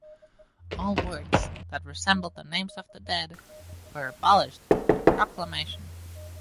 All words that resembled the names of the dead were abolished by proclamation.